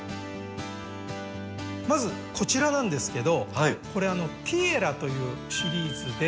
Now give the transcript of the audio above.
まずこちらなんですけどこれティエラというシリーズで。